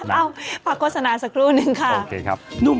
เอ้าพักโฆษณาสักครู่นึงค่ะ